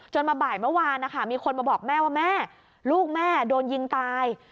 มาบ่ายเมื่อวานนะคะมีคนมาบอกแม่ว่าแม่ลูกแม่โดนยิงตาย